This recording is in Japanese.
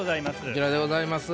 こちらでございます。